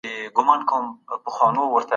ګډ کمېسیونونه کله جوړیږي؟